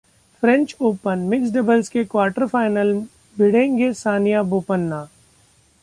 French open: mixed doubles के quarter final भिड़ेंगे सानिया-बोपन्ना